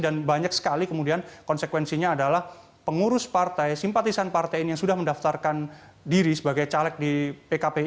dan banyak sekali konsekuensinya adalah pengurus partai simpatisan partai ini yang sudah mendaftarkan diri sebagai caleg di pkpi